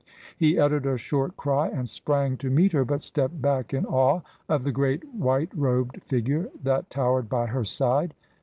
He uttered a short cry and sprang to meet her, but stepped back in awe of the great white robed figure that towered by her side.